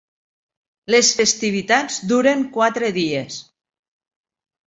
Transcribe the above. Les festivitats duren quatre dies.